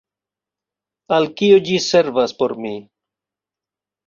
Al kio ĝi servas por mi?